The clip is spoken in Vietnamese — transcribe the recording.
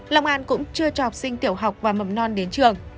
long an cũng chưa cho học sinh tiểu học và mầm non đến trường